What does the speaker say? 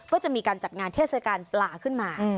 ก็จะมีการจัดงานเทศกาลปลาขึ้นมา